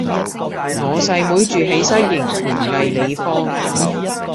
我細妹住喺西營盤藝里坊